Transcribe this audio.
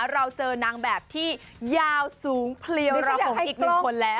เราเจอนางแบบที่ยาวสูงเพลียวระหงอีกหนึ่งคนแล้ว